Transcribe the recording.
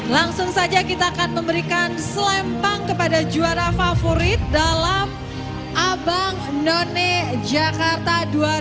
langsung saja kita akan memberikan selempang kepada juara favorit dalam abang none jakarta dua ribu dua puluh